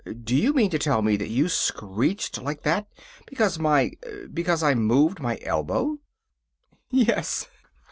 "Do you mean to tell me that you screeched like that because my because I moved my elbow?" "Yes."